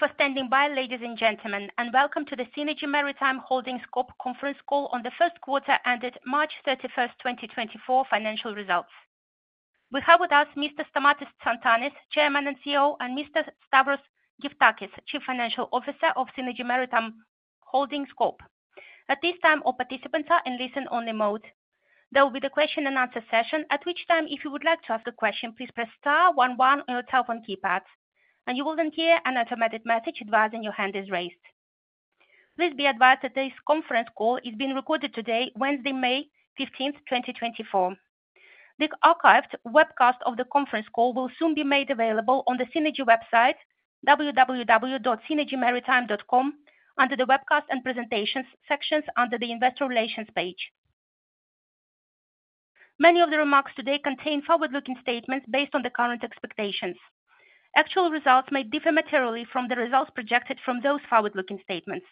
Thank you for standing by, ladies and gentlemen, and welcome to the Seanergy Maritime Holdings Corp. conference call on the first quarter ended March 31st, 2024, financial results. We have with us Mr. Stamatis Tsantanis, Chairman and CEO, and Mr. Stavros Gyftakis, Chief Financial Officer of Seanergy Maritime Holdings Corp. At this time, all participants are in listen-only mode. There will be the question-and-answer session, at which time, if you would like to ask a question, please press star 11 on your telephone keypads, and you will then hear an automated message advising your hand is raised. Please be advised that this conference call is being recorded today, Wednesday, May 15th, 2024. The archived webcast of the conference call will soon be made available on the Seanergy website, www.seanergymaritime.com, under the webcast and presentations sections under the Investor Relations page. Many of the remarks today contain forward-looking statements based on the current expectations. Actual results may differ materially from the results projected from those forward-looking statements.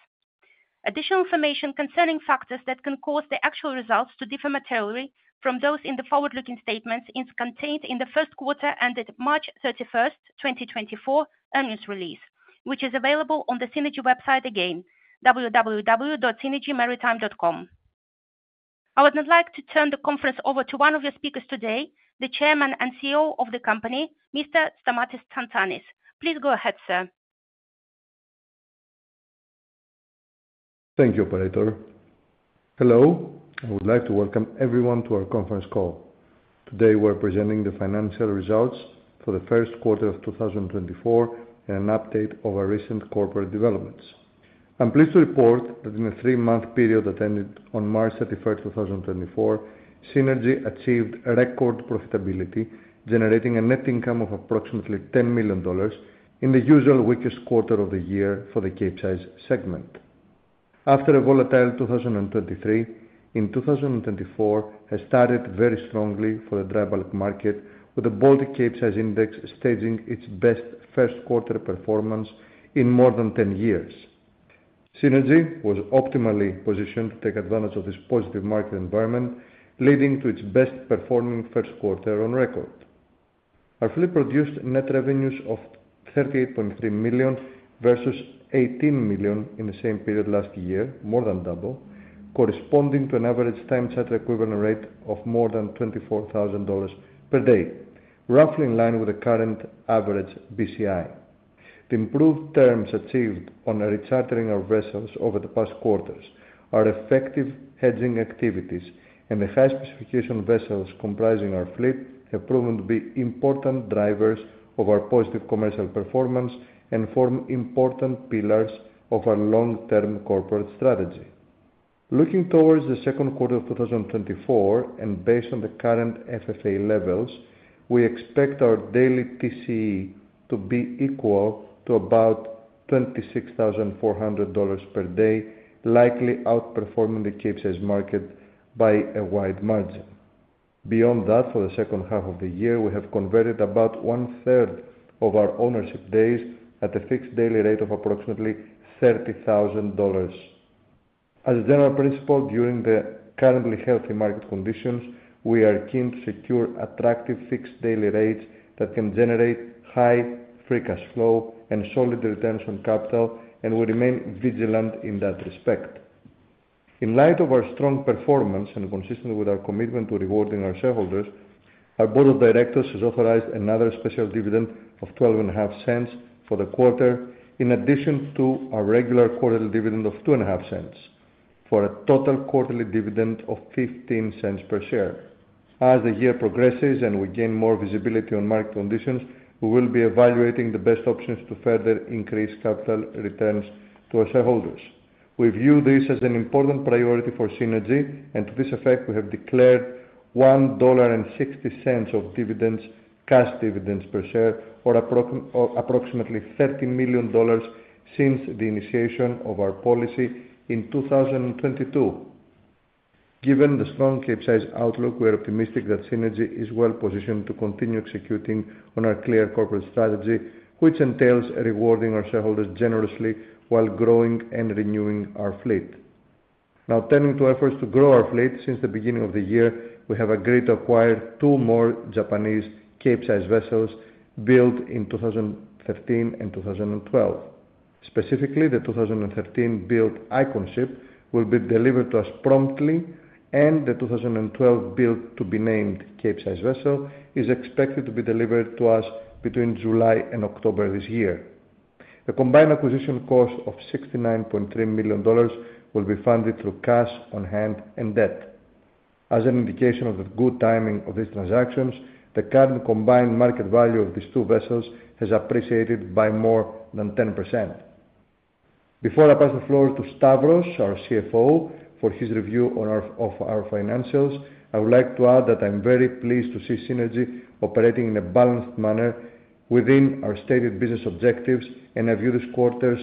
Additional information concerning factors that can cause the actual results to differ materially from those in the forward-looking statements is contained in the first quarter ended March 31st, 2024, earnings release, which is available on the Seanergy website again, www.seanergymaritime.com. I would now like to turn the conference over to one of your speakers today, the Chairman and CEO of the company, Mr. Stamatis Tsantanis. Please go ahead, sir. Thank you, Operator. Hello. I would like to welcome everyone to our conference call. Today we're presenting the financial results for the first quarter of 2024 and an update of our recent corporate developments. I'm pleased to report that in a three-month period ended on March 31st, 2024, Seanergy achieved record profitability, generating a net income of approximately $10 million in the usual weakest quarter of the year for the Capesize segment. After a volatile 2023, 2024 has started very strongly for the dry bulk market, with the Baltic Capesize Index staging its best first-quarter performance in more than 10 years. Seanergy was optimally positioned to take advantage of this positive market environment, leading to its best-performing first quarter on record. Our fully produced net revenues of $38.3 million versus $18 million in the same period last year, more than double, corresponding to an average time-charter equivalent rate of more than $24,000 per day, roughly in line with the current average BCI. The improved terms achieved on rechartering our vessels over the past quarters are effective hedging activities, and the high-specification vessels comprising our fleet have proven to be important drivers of our positive commercial performance and form important pillars of our long-term corporate strategy. Looking toward the second quarter of 2024, and based on the current FFA levels, we expect our daily TCE to be equal to about $26,400 per day, likely outperforming the Capesize market by a wide margin. Beyond that, for the second half of the year, we have converted about one-third of our ownership days at a fixed daily rate of approximately $30,000. As a general principle, during the currently healthy market conditions, we are keen to secure attractive fixed daily rates that can generate high free cash flow and solid returns on capital, and we remain vigilant in that respect. In light of our strong performance and consistent with our commitment to rewarding our shareholders, our board of directors has authorized another special dividend of $0.125 for the quarter, in addition to our regular quarterly dividend of $0.025, for a total quarterly dividend of $0.15 per share. As the year progresses and we gain more visibility on market conditions, we will be evaluating the best options to further increase capital returns to our shareholders. We view this as an important priority for Seanergy, and to this effect, we have declared $1.60 of dividends cash dividends per share, or approximately $30 million since the initiation of our policy in 2022. Given the strong Capesize outlook, we are optimistic that Seanergy is well positioned to continue executing on our clear corporate strategy, which entails rewarding our shareholders generously while growing and renewing our fleet. Now, turning to efforts to grow our fleet, since the beginning of the year, we have agreed to acquire two more Japanese Capesize vessels built in 2015 and 2012. Specifically, the 2013 built Iconship will be delivered to us promptly, and the 2012 built to be named Capesize vessel is expected to be delivered to us between July and October this year. The combined acquisition cost of $69.3 million will be funded through cash on hand and debt. As an indication of the good timing of these transactions, the current combined market value of these two vessels has appreciated by more than 10%. Before I pass the floor to Stavros, our CFO, for his review on our financials, I would like to add that I'm very pleased to see Seanergy operating in a balanced manner within our stated business objectives, and I view this quarter's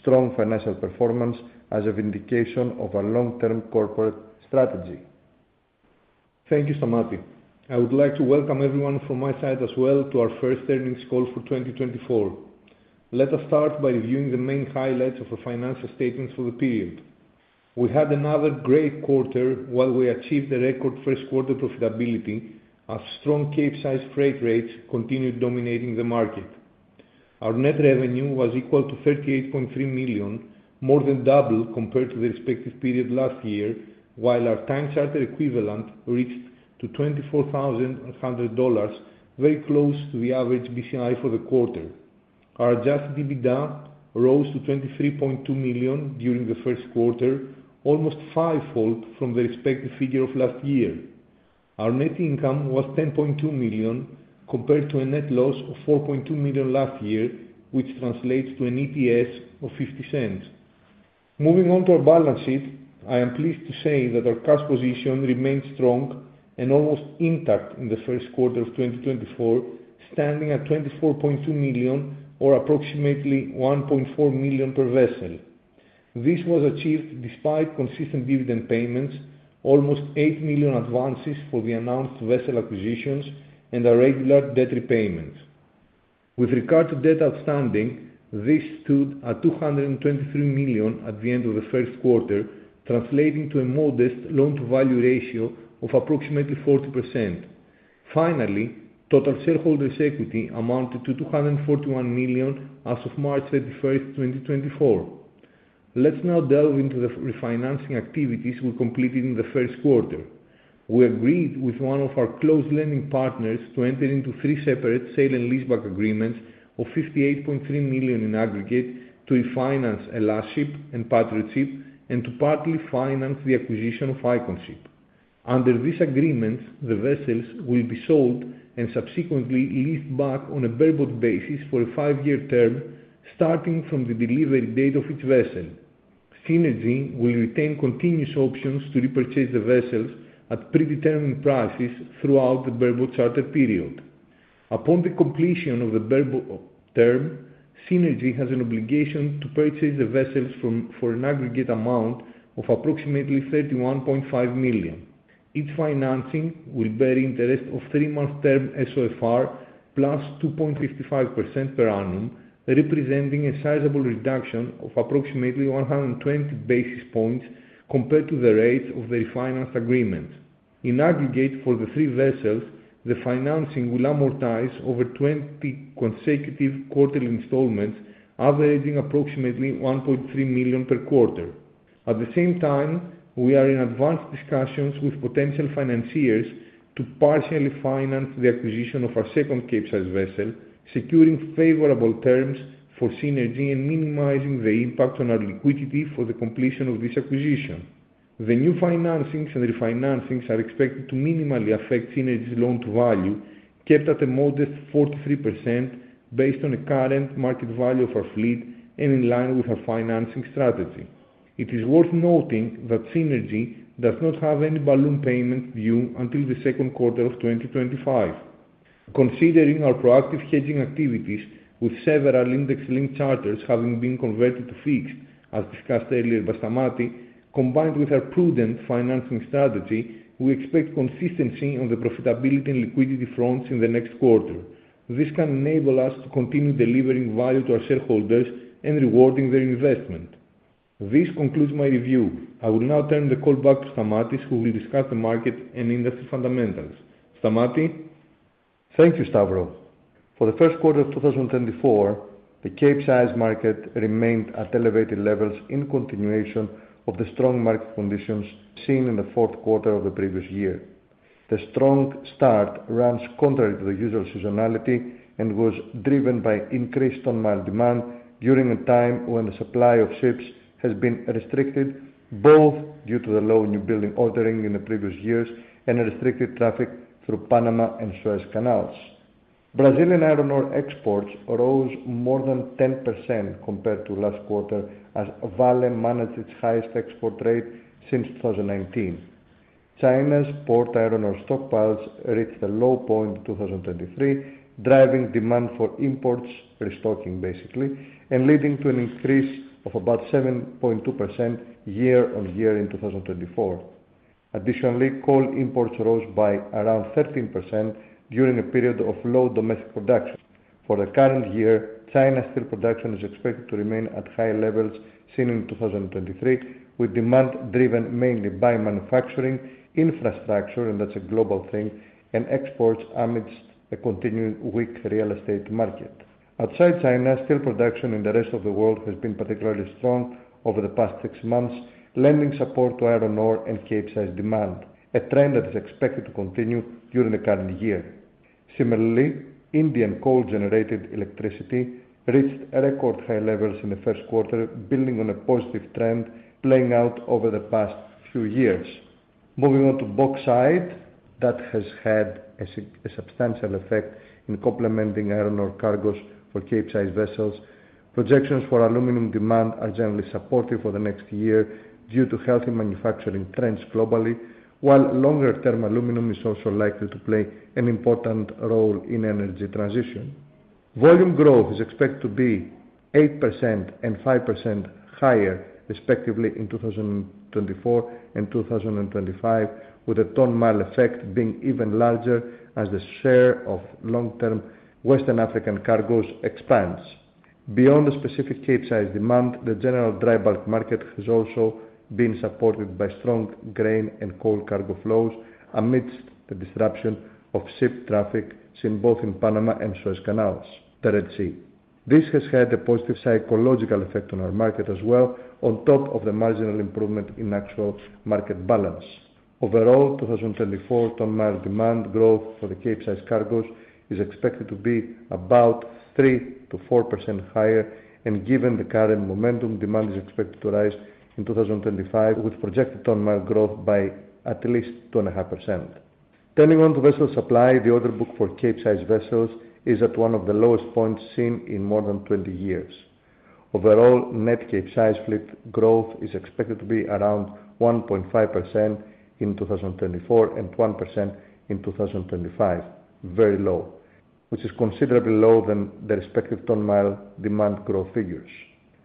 strong financial performance as an indication of our long-term corporate strategy. Thank you, Stamatis. I would like to welcome everyone from my side as well to our first earnings call for 2024. Let us start by reviewing the main highlights of our financial statements for the period. We had another great quarter while we achieved a record first-quarter profitability, as strong Capesize freight rates continued dominating the market. Our net revenue was equal to $38.3 million, more than double compared to the respective period last year, while our time-charter equivalent reached $24,100, very close to the average BCI for the quarter. Our adjusted EBITDA rose to $23.2 million during the first quarter, almost five-fold from the respective figure of last year. Our net income was $10.2 million compared to a net loss of $4.2 million last year, which translates to an EPS of $0.50. Moving on to our balance sheet, I am pleased to say that our cash position remained strong and almost intact in the first quarter of 2024, standing at $24.2 million, or approximately $1.4 million per vessel. This was achieved despite consistent dividend payments, almost $8 million advances for the announced vessel acquisitions, and irregular debt repayments. With regard to debt outstanding, this stood at $223 million at the end of the first quarter, translating to a modest loan-to-value ratio of approximately 40%. Finally, total shareholders' equity amounted to $241 million as of March 31st, 2024. Let's now delve into the refinancing activities we completed in the first quarter. We agreed with one of our close lending partners to enter into three separate sale-and-leaseback agreements of $58.3 million in aggregate to refinance Hellasship and Patriotship, and to partly finance the acquisition of Iconship. Under these agreements, the vessels will be sold and subsequently leased back on a Bareboat basis for a five-year term, starting from the delivery date of each vessel. Seanergy will retain continuous options to repurchase the vessels at predetermined prices throughout the Bareboat charter period. Upon the completion of the Bareboat term, Seanergy has an obligation to purchase the vessels for an aggregate amount of approximately $31.5 million. Its financing will bear interest of three-month term SOFR plus 2.55% per annum, representing a sizable reduction of approximately 120 basis points compared to the rates of the refinanced agreement. In aggregate, for the three vessels, the financing will amortize over 20 consecutive quarterly installments, averaging approximately $1.3 million per quarter. At the same time, we are in advanced discussions with potential financiers to partially finance the acquisition of our second Capesize vessel, securing favorable terms for Seanergy and minimizing the impact on our liquidity for the completion of this acquisition. The new financings and refinancings are expected to minimally affect Seanergy's loan-to-value, kept at a modest 43% based on the current market value of our fleet and in line with our financing strategy. It is worth noting that Seanergy does not have any balloon payments due until the second quarter of 2025. Considering our proactive hedging activities, with several index-linked charters having been converted to fixed, as discussed earlier by Stamatis, combined with our prudent financing strategy, we expect consistency on the profitability and liquidity fronts in the next quarter. This can enable us to continue delivering value to our shareholders and rewarding their investment. This concludes my review. I will now turn the call back to Stamatis, who will discuss the market and industry fundamentals. Stamatis? Thank you, Stavros. For the first quarter of 2024, the Capesize market remained at elevated levels in continuation of the strong market conditions seen in the fourth quarter of the previous year. The strong start runs contrary to the usual seasonality and was driven by increased ton-mile demand during a time when the supply of ships has been restricted, both due to the low new building ordering in the previous years and restricted traffic through Panama and Suez Canals. Brazilian iron ore exports rose more than 10% compared to last quarter, as Vale managed its highest export rate since 2019. China's port iron ore stockpiles reached a low point in 2023, driving demand for imports (restocking, basically) and leading to an increase of about 7.2% year-over-year in 2024. Additionally, coal imports rose by around 13% during a period of low domestic production. For the current year, China steel production is expected to remain at high levels seen in 2023, with demand driven mainly by manufacturing, infrastructure, and that's a global thing, and exports amidst a continuing weak real estate market. Outside China, steel production in the rest of the world has been particularly strong over the past six months, lending support to iron ore and Capesize demand, a trend that is expected to continue during the current year. Similarly, Indian coal-generated electricity reached record high levels in the first quarter, building on a positive trend playing out over the past few years. Moving on to bauxite, that has had a substantial effect in complementing iron ore cargoes for Capesize vessels. Projections for aluminum demand are generally supportive for the next year due to healthy manufacturing trends globally, while longer-term aluminum is also likely to play an important role in the energy transition. Volume growth is expected to be 8% and 5% higher, respectively, in 2024 and 2025, with the ton-mile effect being even larger as the share of long-term Western African cargoes expands. Beyond the specific Capesize demand, the general dry bulk market has also been supported by strong grain and coal cargo flows amidst the disruption of ship traffic seen both in Panama and Suez Canals, the Red Sea. This has had a positive psychological effect on our market as well, on top of the marginal improvement in actual market balance. Overall, 2024 ton-mile demand growth for the Capesize cargoes is expected to be about 3%-4% higher, and given the current momentum, demand is expected to rise in 2025 with projected ton-mile growth by at least 2.5%. Turning to vessel supply, the order book for Capesize vessels is at one of the lowest points seen in more than 20 years. Overall, net Capesize fleet growth is expected to be around 1.5% in 2024 and 1% in 2025, very low, which is considerably lower than the respective ton-mile demand growth figures.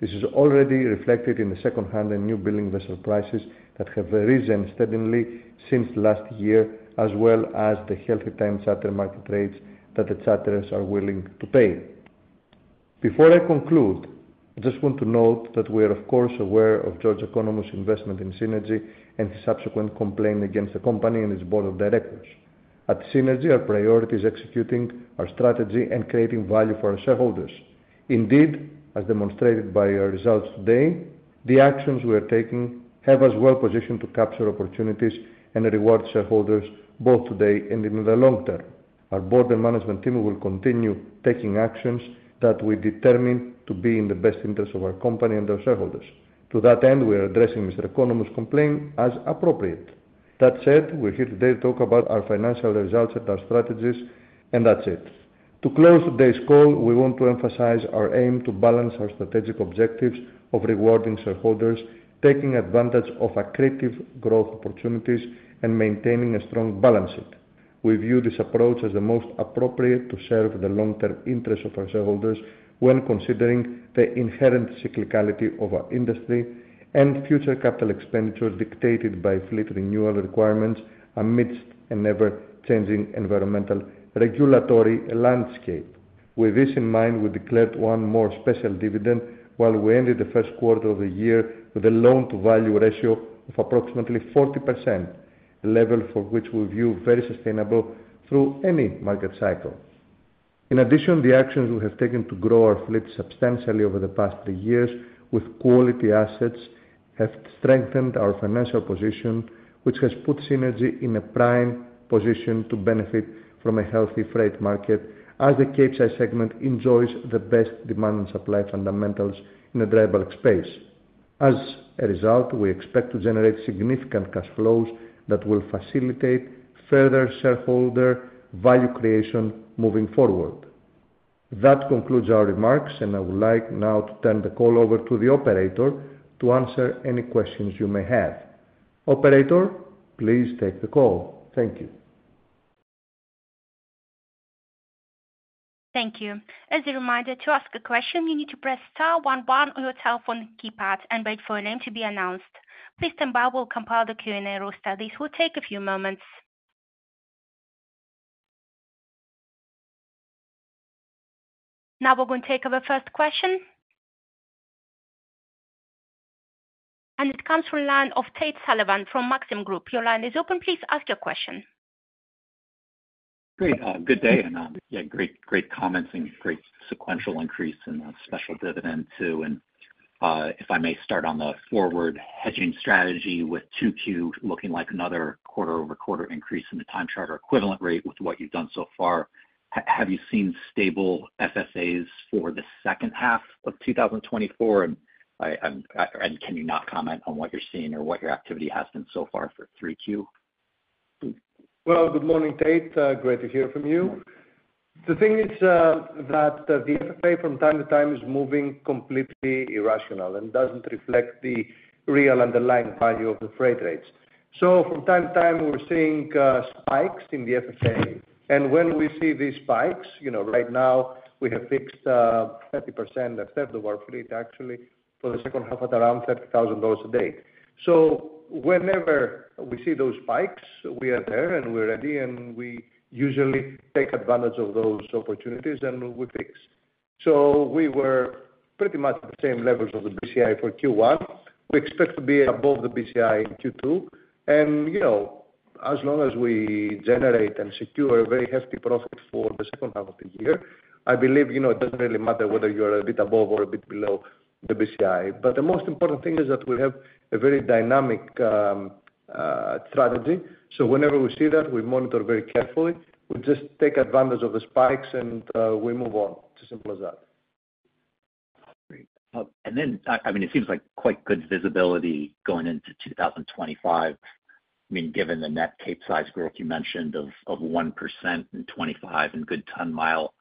This is already reflected in the second-hand and newbuilding vessel prices that have risen steadily since last year, as well as the healthy time-charter market rates that the charters are willing to pay. Before I conclude, I just want to note that we are, of course, aware of George Economou's investment in Seanergy and his subsequent complaint against the company and its board of directors. At Seanergy, our priority is executing our strategy and creating value for our shareholders. Indeed, as demonstrated by our results today, the actions we are taking have us well positioned to capture opportunities and reward shareholders both today and in the long term. Our board and management team will continue taking actions that we determine to be in the best interests of our company and our shareholders. To that end, we are addressing Mr. Economou's complaint as appropriate. That said, we're here today to talk about our financial results and our strategies, and that's it. To close today's call, we want to emphasize our aim to balance our strategic objectives of rewarding shareholders, taking advantage of accretive growth opportunities, and maintaining a strong balance sheet. We view this approach as the most appropriate to serve the long-term interests of our shareholders when considering the inherent cyclicality of our industry and future capital expenditures dictated by fleet renewal requirements amidst a never-changing environmental regulatory landscape. With this in mind, we declared one more special dividend while we ended the first quarter of the year with a loan-to-value ratio of approximately 40%, a level for which we view very sustainable through any market cycle. In addition, the actions we have taken to grow our fleet substantially over the past three years with quality assets have strengthened our financial position, which has put Seanergy in a prime position to benefit from a healthy freight market as the Capesize segment enjoys the best demand and supply fundamentals in a dry bulk space. As a result, we expect to generate significant cash flows that will facilitate further shareholder value creation moving forward. That concludes our remarks, and I would like now to turn the call over to the operator to answer any questions you may have. Operator, please take the call. Thank you. Thank you. As a reminder, to ask a question, you need to press star one one on your telephone keypad and wait for a name to be announced. Please stand by; we'll compile the Q&A roster. This will take a few moments. Now we're going to take our first question. It comes from the line of Tate Sullivan from Maxim Group. Your line is open. Please ask your question. Great. Good day. Yeah, great, great comments and great sequential increase in the special dividend too. And if I may start on the forward hedging strategy with 2Q looking like another quarter-over-quarter increase in the time-charter equivalent rate with what you've done so far, have you seen stable FFAs for the second half of 2024? And can you not comment on what you're seeing or what your activity has been so far for 3Q? Well, good morning, Tate. Great to hear from you. The thing is that the FFA from time to time is moving completely irrational and doesn't reflect the real underlying value of the freight rates. So from time to time, we're seeing spikes in the FFA. And when we see these spikes, right now, we have fixed 30% of the third of our fleet, actually, for the second half at around $30,000 a day. So whenever we see those spikes, we are there and we're ready, and we usually take advantage of those opportunities and we fix. So we were pretty much at the same levels of the BCI for Q1. We expect to be above the BCI in Q2. As long as we generate and secure a very hefty profit for the second half of the year, I believe it doesn't really matter whether you are a bit above or a bit below the BCI. But the most important thing is that we have a very dynamic strategy. So whenever we see that, we monitor very carefully. We just take advantage of the spikes and we move on. It's as simple as that. Great. And then, I mean, it seems like quite good visibility going into 2025, I mean, given the net Capesize growth you mentioned of 1% in 2025 and good ton-mile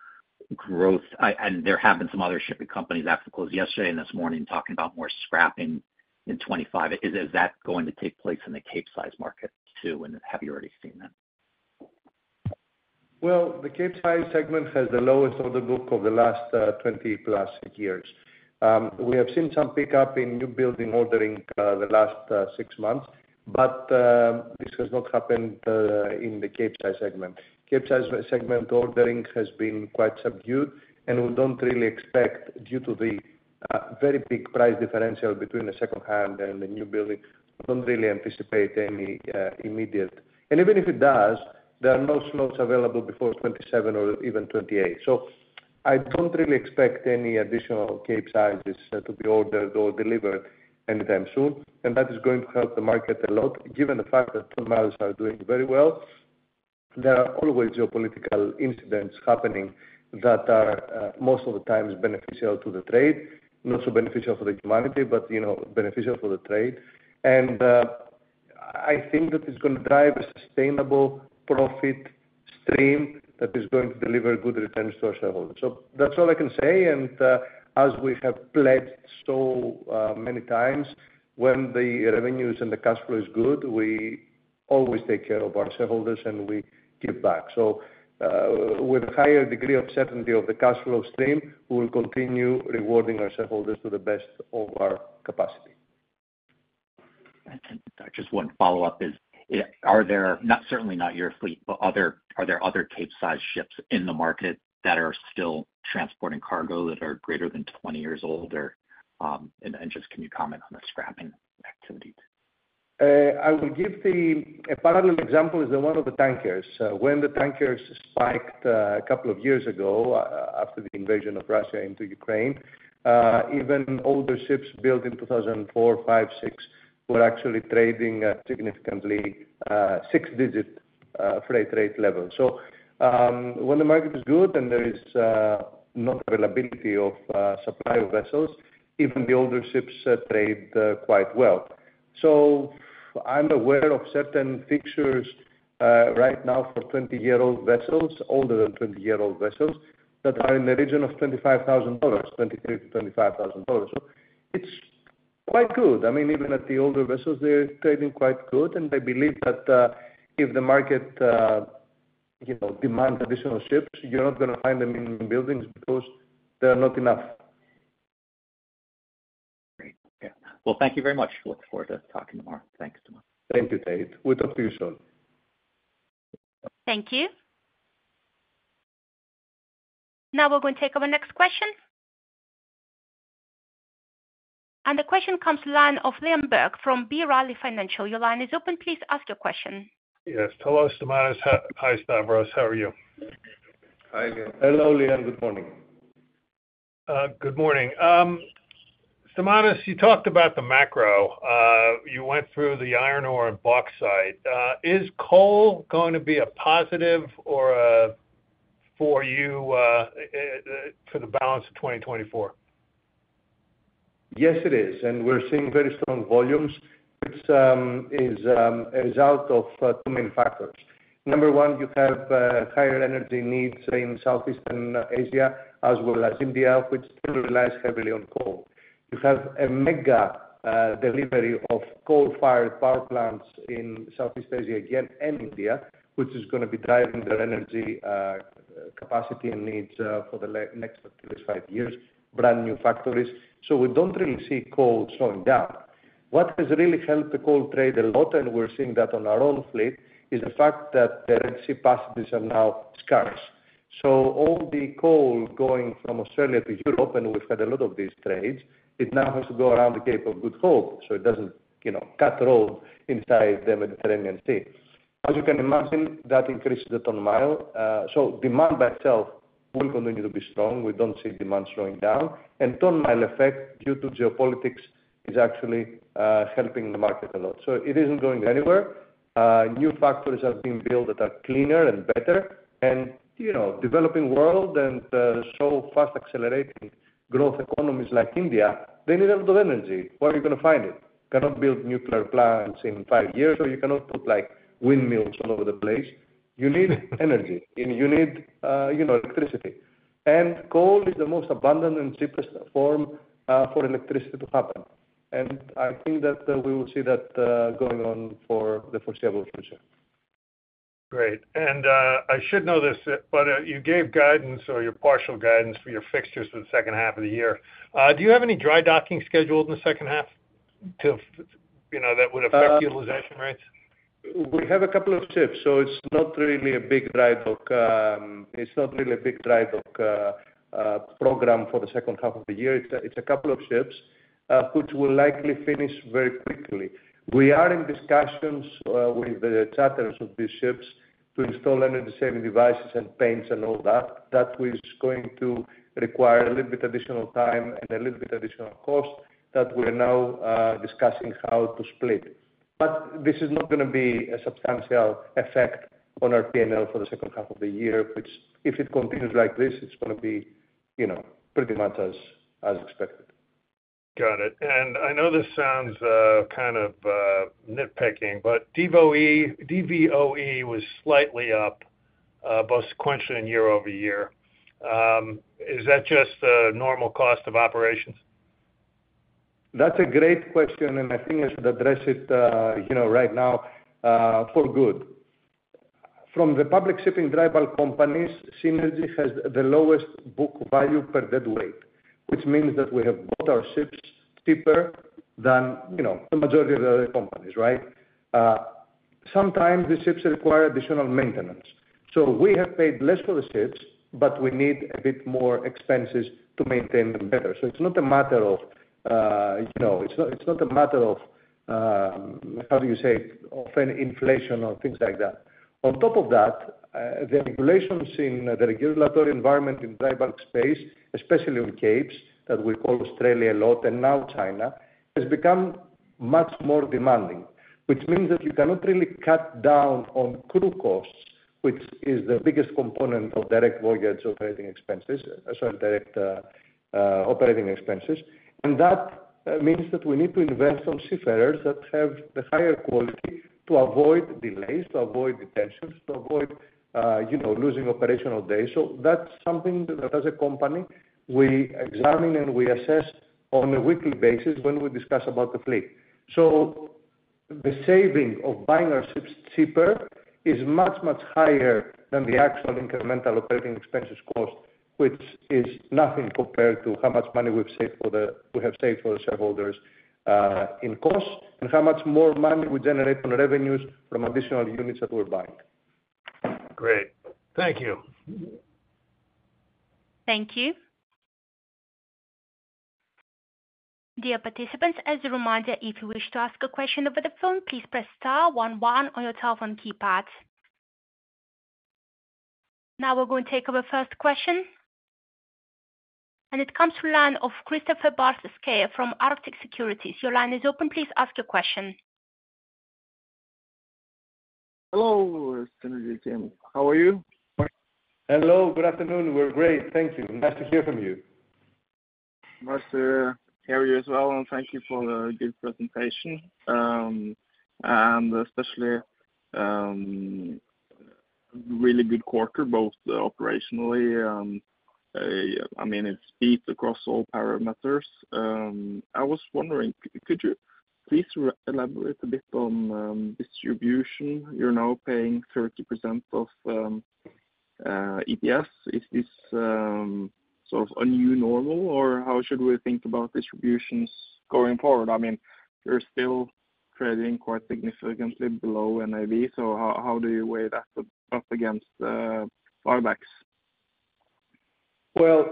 growth. And there have been some other shipping companies after the close yesterday and this morning talking about more scrapping in 2025. Is that going to take place in the Capesize market too? And have you already seen that? Well, the Capesize segment has the lowest order book of the last 20+ years. We have seen some pickup in new building ordering the last 6 months, but this has not happened in the Capesize segment. Capesize segment ordering has been quite subdued, and we don't really expect, due to the very big price differential between the second-hand and the new building, we don't really anticipate any immediate and even if it does, there are no slots available before 2027 or even 2028. So I don't really expect any additional Capesizes to be ordered or delivered anytime soon, and that is going to help the market a lot, given the fact that ton-miles are doing very well. There are always geopolitical incidents happening that are most of the time beneficial to the trade, not so beneficial for the humanity, but beneficial for the trade. I think that it's going to drive a sustainable profit stream that is going to deliver good returns to our shareholders. So that's all I can say. And as we have pledged so many times, when the revenues and the cash flow is good, we always take care of our shareholders and we give back. So with a higher degree of certainty of the cash flow stream, we will continue rewarding our shareholders to the best of our capacity. I just want to follow up. Are there certainly not your fleet, but are there other Capesize ships in the market that are still transporting cargo that are greater than 20 years older? And just can you comment on the scrapping activities? I will give a parallel example as the one of the tankers. When the tankers spiked a couple of years ago after the invasion of Russia into Ukraine, even older ships built in 2004, 2005, 2006 were actually trading at significantly six-digit freight rate levels. So when the market is good and there is not availability of supply of vessels, even the older ships trade quite well. So I'm aware of certain fixtures right now for 20-year-old vessels, older than 20-year-old vessels, that are in the region of $25,000, $23,000-$25,000. So it's quite good. I mean, even at the older vessels, they're trading quite good. And I believe that if the market demands additional ships, you're not going to find them in buildings because there are not enough. Great. Yeah. Well, thank you very much. Look forward to talking tomorrow. Thanks, Stamatis. Thank you, Tate. We'll talk to you soon. Thank you. Now we're going to take over next question. The question comes to the line of Liam Burke from B. Riley Financial. Your line is open. Please ask your question. Yes. Hello, Stamatis. Hi, Stavros. How are you? Hi, again. Hello, Liam. Good morning. Good morning. Stamatis, you talked about the macro. You went through the iron ore and bauxite. Is coal going to be a positive for you for the balance of 2024? Yes, it is. We're seeing very strong volumes. It's a result of two main factors. Number one, you have higher energy needs in Southeast Asia as well as India, which still relies heavily on coal. You have a mega delivery of coal-fired power plants in Southeast Asia again and India, which is going to be driving their energy capacity and needs for the next 3-5 years, brand new factories. We don't really see coal slowing down. What has really helped the coal trade a lot, and we're seeing that on our own fleet, is the fact that the Red Sea passages are now scarce. All the coal going from Australia to Europe, and we've had a lot of these trades, it now has to go around the Cape of Good Hope so it doesn't cut road inside the Mediterranean Sea. As you can imagine, that increases the ton-mile. So demand by itself will continue to be strong. We don't see demand slowing down. And ton-mile effect due to geopolitics is actually helping the market a lot. So it isn't going anywhere. New factories are being built that are cleaner and better. And developing world and so fast-accelerating growth economies like India, they need a lot of energy. Where are you going to find it? You cannot build nuclear plants in five years or you cannot put windmills all over the place. You need energy. You need electricity. And coal is the most abundant and cheapest form for electricity to happen. And I think that we will see that going on for the foreseeable future. Great. I should know this, but you gave guidance or your partial guidance for your fixtures for the second half of the year. Do you have any dry docking scheduled in the second half that would affect utilization rates? We have a couple of ships. So it's not really a big dry dock. It's not really a big dry dock program for the second half of the year. It's a couple of ships which will likely finish very quickly. We are in discussions with the charters of these ships to install energy-saving devices and paints and all that. That is going to require a little bit additional time and a little bit additional cost that we are now discussing how to split. But this is not going to be a substantial effect on our P&L for the second half of the year, which if it continues like this, it's going to be pretty much as expected. Got it. I know this sounds kind of nitpicking, but DVOE was slightly up both sequentially and year-over-year. Is that just a normal cost of operations? That's a great question. I think I should address it right now for good. From the public shipping dry bulk companies, Seanergy has the lowest book value per dead weight, which means that we have bought our ships cheaper than the majority of the other companies, right? Sometimes the ships require additional maintenance. We have paid less for the ships, but we need a bit more expenses to maintain them better. It's not a matter of, how do you say, of inflation or things like that. On top of that, the regulations in the regulatory environment in dry bulk space, especially on capes that we call Australia a lot and now China, has become much more demanding, which means that you cannot really cut down on crew costs, which is the biggest component of direct voyage operating expenses, sorry, direct operating expenses. And that means that we need to invest on seafarers that have the higher quality to avoid delays, to avoid detentions, to avoid losing operational days. So that's something that, as a company, we examine and we assess on a weekly basis when we discuss about the fleet. So the saving of buying our ships cheaper is much, much higher than the actual incremental operating expenses cost, which is nothing compared to how much money we've saved for the shareholders in costs and how much more money we generate on revenues from additional units that we're buying. Great. Thank you. Thank you. Dear participants, as a reminder, if you wish to ask a question over the phone, please press star one one on your telephone keypad. Now we're going to take our first question. It comes from the line of Kristoffer Barth Skeie from Arctic Securities. Your line is open. Please ask your question. Hello, Seanergy team. How are you? Hello. Good afternoon. We're great. Thank you. Nice to hear from you. Nice to hear you as well. And thank you for the good presentation and especially really good quarter, both operationally. I mean, it's beat across all parameters. I was wondering, could you please elaborate a bit on distribution? You're now paying 30% of EPS. Is this sort of a new normal, or how should we think about distributions going forward? I mean, you're still trading quite significantly below NAV. So how do you weigh that up against buybacks? Well,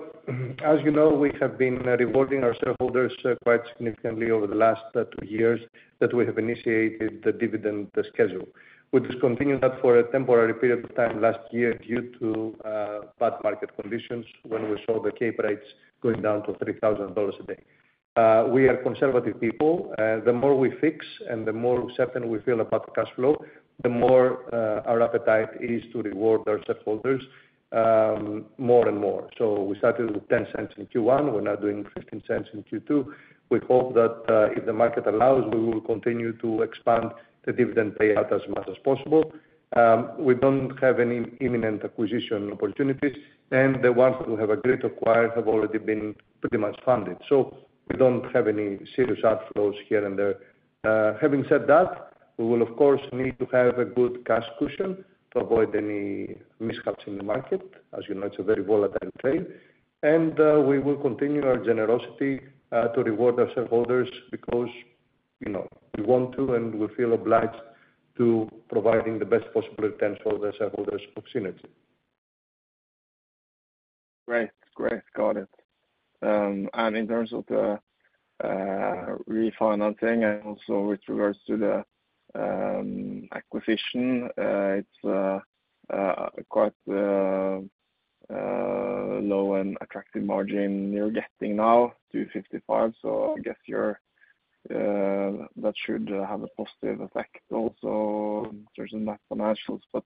as you know, we have been rewarding our shareholders quite significantly over the last 2 years that we have initiated the dividend schedule. We discontinued that for a temporary period of time last year due to bad market conditions when we saw the cape rates going down to $3,000 a day. We are conservative people. The more we fix and the more certain we feel about the cash flow, the more our appetite is to reward our shareholders more and more. So we started with $0.10 in Q1. We're now doing $0.15 in Q2. We hope that if the market allows, we will continue to expand the dividend payout as much as possible. We don't have any imminent acquisition opportunities. The ones that we have agreed to acquire have already been pretty much funded. We don't have any serious outflows here and there. Having said that, we will, of course, need to have a good cash cushion to avoid any mishaps in the market. As you know, it's a very volatile trade. We will continue our generosity to reward our shareholders because we want to and we feel obliged to providing the best possible returns for the shareholders of Seanergy. Great. Great. Got it. And in terms of the refinancing and also with regards to the acquisition, it's quite low and attractive margin you're getting now, 255. So I guess that should have a positive effect also in terms of net financials. But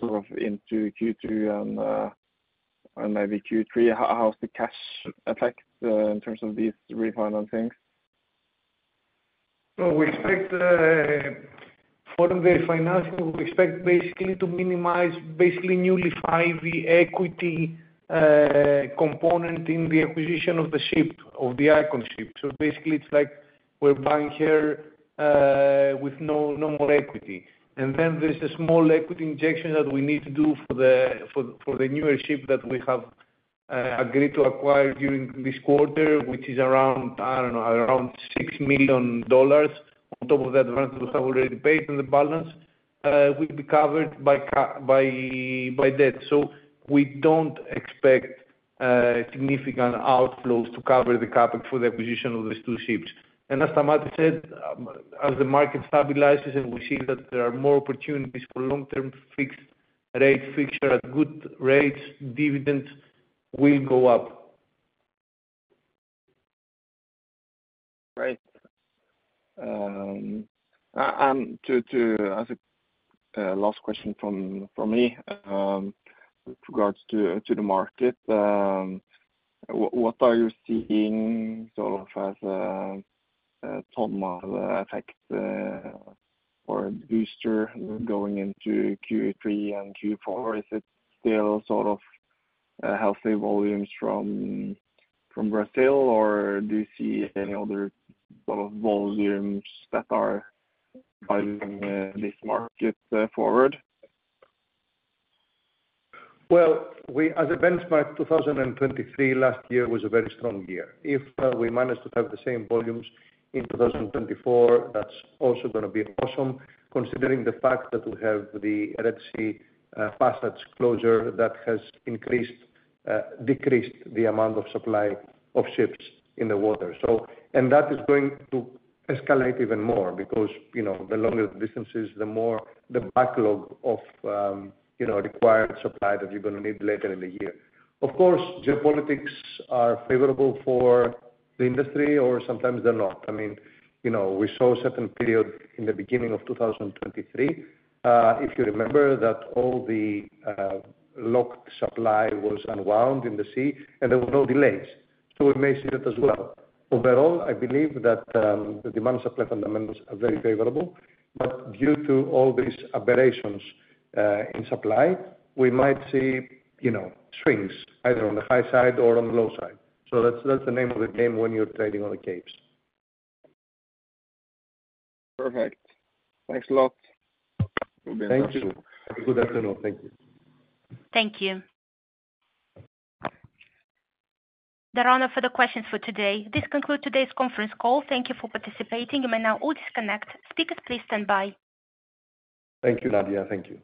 sort of into Q2 and maybe Q3, how's the cash effect in terms of these refinancings? So for the refinancing, we expect basically to minimize the new equity component in the acquisition of the ship, of the Iconship. So basically, it's like we're buying here with no more equity. And then there's a small equity injection that we need to do for the newer ship that we have agreed to acquire during this quarter, which is around, I don't know, around $6 million on top of the advance we have already paid in the balance. We'll be covered by debt. So we don't expect significant outflows to cover the CapEx for the acquisition of these two ships. And as Stamatis said, as the market stabilizes and we see that there are more opportunities for long-term fixed-rate fixture at good rates, dividends will go up. Great. And as a last question from me with regards to the market, what are you seeing sort of as a ton-mile effect or booster going into Q3 and Q4? Is it still sort of healthy volumes from Brazil, or do you see any other sort of volumes that are driving this market forward? Well, as a benchmark, 2023 last year was a very strong year. If we manage to have the same volumes in 2024, that's also going to be awesome considering the fact that we have the Red Sea passage closure that has decreased the amount of supply of ships in the water. And that is going to escalate even more because the longer the distances, the more the backlog of required supply that you're going to need later in the year. Of course, geopolitics are favorable for the industry, or sometimes they're not. I mean, we saw a certain period in the beginning of 2023, if you remember, that all the locked supply was unwound in the sea, and there were no delays. So we may see that as well. Overall, I believe that the demand supply fundamentals are very favorable. But due to all these aberrations in supply, we might see swings either on the high side or on the low side. So that's the name of the game when you're trading on the capes. Perfect. Thanks a lot. Thank you. Have a good afternoon. Thank you. Thank you. The round of further questions for today. This concludes today's conference call. Thank you for participating. You may now all disconnect. Speakers, please stand by. Thank you, Nadia. Thank you.